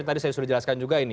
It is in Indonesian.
tadi saya sudah jelaskan juga ini